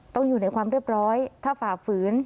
ต้องอยู่ในความเรียบร้อยถ้าฝ่าฝืน